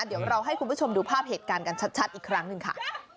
เดี๋ยวเราให้คุณผู้ชมดูภาพเหตุการณ์กันชัดอีกครั้งหนึ่งค่ะ